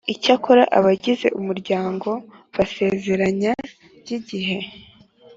Icyakora abagize umuryango basezeranye by igihe